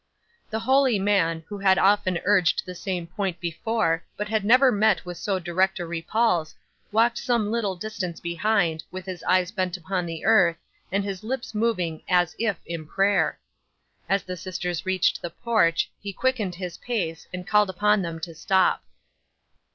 'The holy man, who had often urged the same point before, but had never met with so direct a repulse, walked some little distance behind, with his eyes bent upon the earth, and his lips moving AS IF in prayer. As the sisters reached the porch, he quickened his pace, and called upon them to stop.